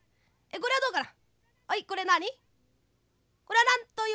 これはどうかな？」。